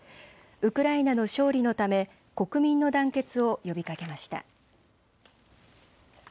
ウクライナの勝利のため国民の団結を呼びかけました。